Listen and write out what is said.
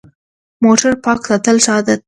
موټر پاک ساتل ښه عادت دی.